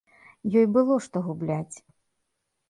Ёй было што губляць.